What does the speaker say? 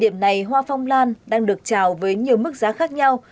cây hoa phong lan đang được trào với nhiều mức giá khác nhau